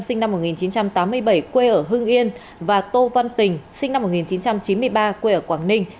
sinh năm một nghìn chín trăm tám mươi bảy quê ở hưng yên và tô văn tình sinh năm một nghìn chín trăm chín mươi ba quê ở quảng ninh